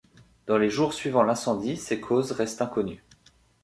Dans les jours suivants l'incendie, ses causes restent inconnues.